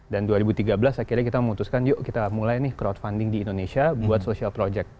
dan dua ribu tiga belas akhirnya kita memutuskan yuk kita mulai nih crowdfunding di indonesia buat social project